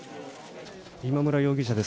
今村容疑者です。